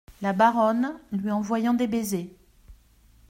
La Baronne , lui envoyant des baisers.